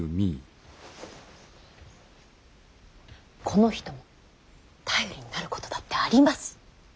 この人も頼りになることだってあります。